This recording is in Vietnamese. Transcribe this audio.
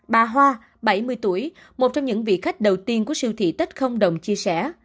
bà hoa bảy mươi tuổi một trong những vị khách đầu tiên của siêu thị tết không đồng chia sẻ